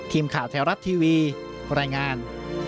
ทีมข่าวไทยรัฐทีวีรายงาน